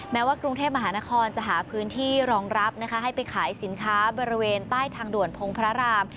แม้ว่ากรุงเทพมหานครจะหาพื้นที่รองรับนะคะให้ไปขายสินค้าบริเวณใต้ทางด่วนพงพระราม